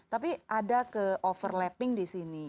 tapi ada ke overlapping di sini